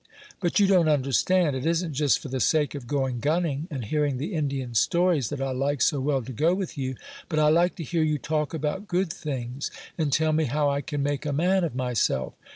"But you don't understand. It isn't just for the sake of going gunning, and hearing the Indian stories, that I like so well to go with you; but I like to hear you talk about good things, and tell me how I can make a man of myself.